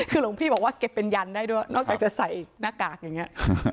คือหลวงพี่บอกว่าเก็บเป็นยันได้ด้วยนอกจากจะใส่หน้ากากอย่างนี้